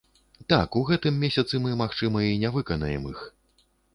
Так, у гэтым месяцы мы, магчыма, і не выканаем іх.